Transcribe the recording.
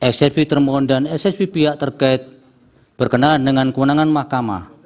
sev termohon dan ssv pihak terkait berkenaan dengan kewenangan mahkamah